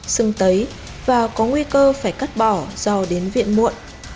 sưng tấy và có nguy cơ phải cắt bỏ do đến viện muộn